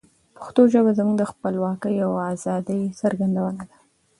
پښتو ژبه زموږ د خپلواکۍ او آزادی څرګندونه ده.